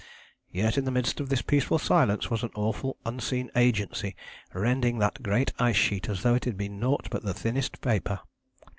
"Yet in the midst of this peaceful silence was an awful unseen agency rending that great ice sheet as though it had been naught but the thinnest paper.